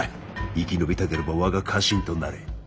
生き延びたければ我が家臣となれ。